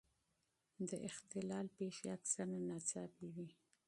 د اختلال پېښې اکثره ناڅاپي وي.